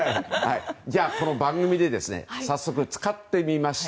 この番組で早速使ってみました。